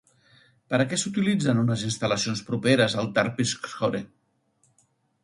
Per a què s'utilitzen unes instal·lacions properes al Terpsícore?